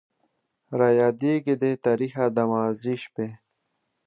رايادېږي دې تاريخه د ماضي شپې